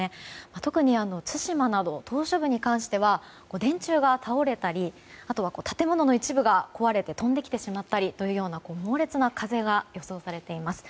特に、対馬など島しょ部に関しては電柱が倒れたり建物の一部が壊れて飛んできてしまったりという猛烈な風が予想されています。